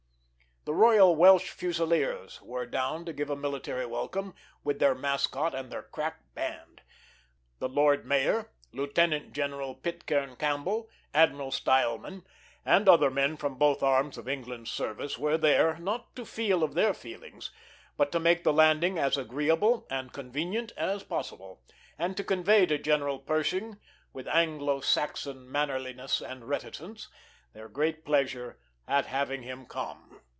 The Royal Welsh Fusiliers were down to give a military welcome, with their mascot and their crack band. The lord mayor, Lieutenant General Pitcairn Campbell, Admiral Stileman, and other men from both arms of England's service were there, not to feel of their feelings, but to make the landing as agreeable and convenient as possible, and to convey to General Pershing, with Anglo Saxon mannerliness and reticence, their great pleasure at having him come.